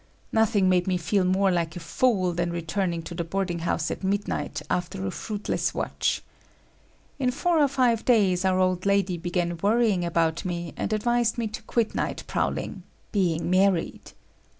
Nothing made me feel more like a fool than returning to the boarding house at midnight after a fruitless watch. In four or five days, our old lady began worrying about me and advised me to quit night prowling,—being married.